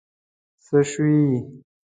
څه شوي.